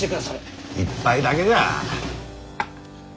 １杯だけじゃ。